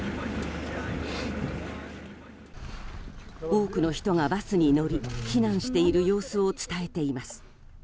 多くの人がバスに乗り避難している様子を伝えています。